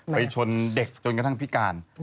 ไปชนเด็กจนกระทั่งพิการ